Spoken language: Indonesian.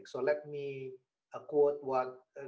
biar saya mengucapkan